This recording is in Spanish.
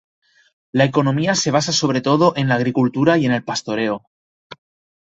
La economía se basa sobre todo en la agricultura y en el pastoreo.